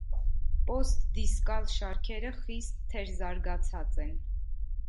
Պոստդիսկալ շարքերը խիստ թերզարգացած են։